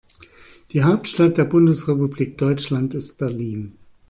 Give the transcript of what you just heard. Die Hauptstadt der Bundesrepublik Deutschland ist Berlin